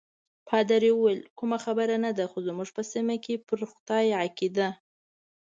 پادري وویل: کومه خبره نه ده، خو زموږ په سیمه کې پر خدای عقیده.